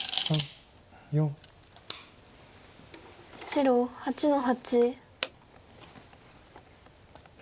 白８の八。